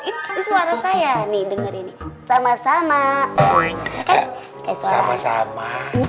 itu suara saya nih dengerin sama sama sama sama